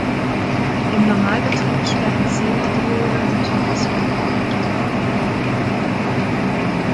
Im Normalbetrieb sperren Zener-Diode und Thyristor.